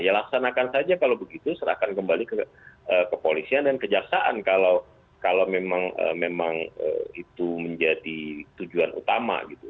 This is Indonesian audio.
ya laksanakan saja kalau begitu serahkan kembali ke kepolisian dan kejaksaan kalau memang itu menjadi tujuan utama gitu